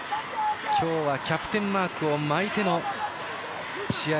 今日はキャプテンマークを巻いての試合。